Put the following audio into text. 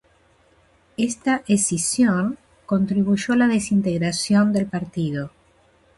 Esta escisión contribuyó a la desintegración del partido.